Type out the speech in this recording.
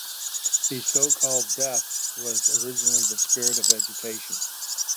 The so-called Death was originally the spirit of vegetation.